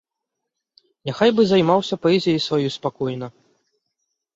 Няхай бы займаўся паэзіяй сваёй спакойна.